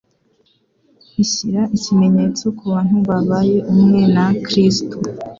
ishyira ikimenyetso ku bantu babaye umwe na Kristo.